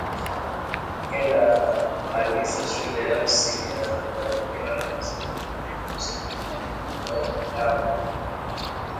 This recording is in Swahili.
Huenda atakapomaliza shule ya msingi atafadhiliwa na wazungu kuenda kusomea ng'ambo